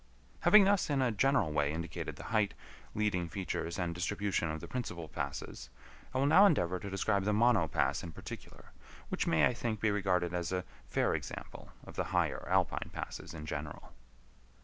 Having thus in a general way indicated the height, leading features, and distribution of the principal passes, I will now endeavor to describe the Mono Pass in particular, which may, I think, be regarded as a fair example of the higher alpine passes in general.